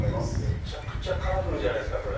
めちゃくちゃカラフルじゃないですか。